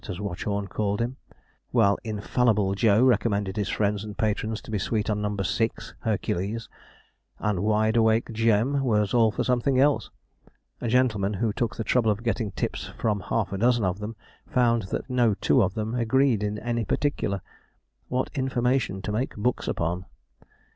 as Watchorn called him), while 'Infallible Joe' recommended his friends and patrons to be sweet on No. 6 (Hercules), and 'Wide awake Jem' was all for something else. A gentleman who took the trouble of getting tips from half a dozen of them, found that no two of them agreed in any particular. What information to make books upon!